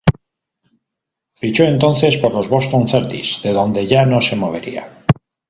Fichó entonces por los Boston Celtics, de donde ya no se movería.